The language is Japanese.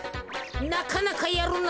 なかなかやるな。